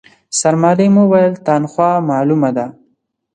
سرمعلم وويل، تنخوا مالومه ده.